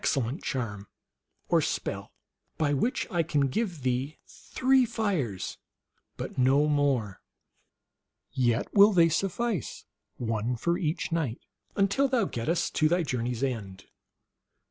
cellent charm, or spell, by which I can give thee three fires, but no more ; yet will they suffice, one for each night, until thou gettest to thy journey s end.